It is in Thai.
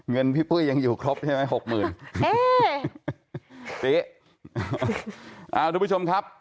เงินพี่ปุ้ยยังอยู่ครบใช่ไหมหกหมื่นนี่ปิ๊กอ่าทุกผู้ชมครับ